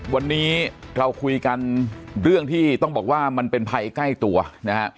วันนี้เราคุยกันเรื่องที่ต้องบอกว่ามันเป็นภัยใกล้ตัวนะฮะ